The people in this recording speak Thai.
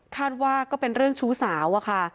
คาดว่าก็เป็นเรื่องชู้สาวอะค่ะ